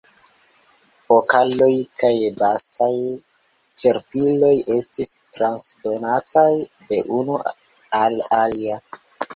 Pokaloj kaj bastaj ĉerpiloj estis transdonataj de unu al alia.